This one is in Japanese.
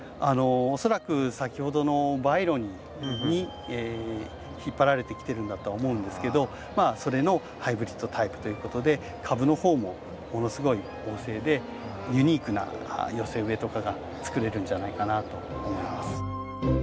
恐らく先ほどのバイロニーに引っ張られてきてるんだとは思うんですけどそれのハイブリッドタイプということで株の方もものすごい旺盛でユニークな寄せ植えとかが作れるんじゃないかなと思います。